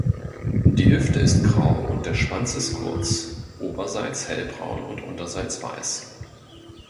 Die Hüfte ist grau und der Schwanz ist kurz, oberseits hellbraun und unterseits weiß.